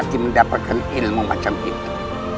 bala pati mendapatkan ilmu macam itu